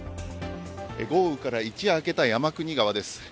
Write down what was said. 豪雨から一夜明けた山国川です。